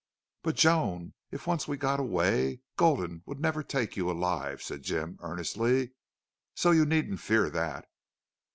"But, Joan, if we once got away Gulden would never take you alive," said Jim, earnestly. "So you needn't fear that."